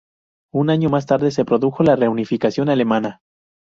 Un año más tarde se produjo la reunificación alemana.